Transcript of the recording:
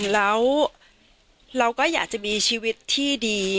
แล้วเราก็อยากจะมีชีวิตที่ดี